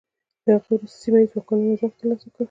له هغه وروسته سیمه ییزو واکمنانو ځواک ترلاسه کړ.